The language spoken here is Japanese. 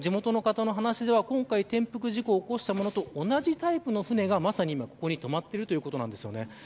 地元の方の話では今回、転覆事故を起こした同じタイプの舟がここに止まっているということです。